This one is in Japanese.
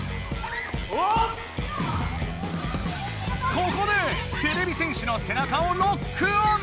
ここでてれび戦士のせなかをロックオン！